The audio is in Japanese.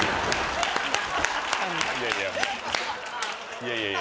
いやいやいや。